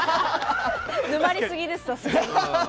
沼りすぎです、さすがに。